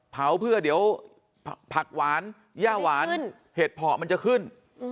เผาเพื่อเดี๋ยวผักหวานย่าหวานเห็ดเพาะมันจะขึ้น